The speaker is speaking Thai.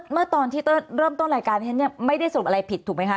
เมื่อตอนที่เริ่มต้นรายการฉันเนี่ยไม่ได้สรุปอะไรผิดถูกไหมคะ